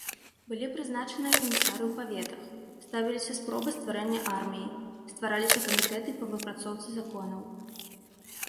Былі прызначаныя камісары ў паветах, ставіліся спробы стварэння арміі, ствараліся камітэты па выпрацоўцы законаў.